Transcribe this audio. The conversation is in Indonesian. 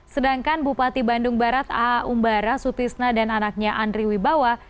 sedangkan bupati bandung barat a umbara sutisna dan anaknya andri wibawa